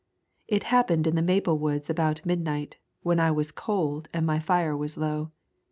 It happened in the maple woods about midnight, when I was cold and my fire was low.